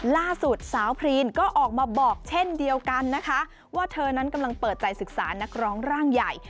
ล่าสุดสาวพรีนก็ออกมาบอกเช่นเดียวกันนะคะว่าเธอนั้นกำลังเปิดใจศึกษานักร้องร่างใหญ่